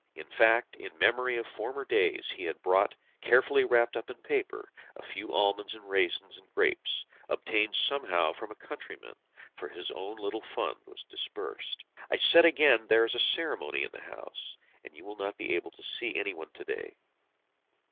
In fact, in memory of former days he had brought, carefully wrapped up in paper, a few almonds and raisins and grapes, obtained somehow from a countryman, for his own little fund was dispersed. I said again: "There is a ceremony in the house, and you will not be able to see any one to day."